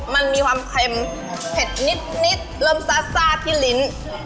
มันมีความเค็มเผ็ดนิดเริ่มซาซ่าที่ลิ้น